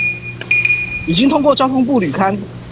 已經通過交通部履勘